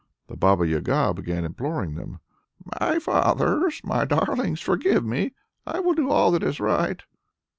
The Baba Yaga began imploring them: "My fathers! my darlings! forgive me. I will do all that is right."